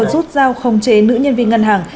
rút rao khống chế nữ nhân viên ngân hàng